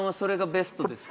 ベストです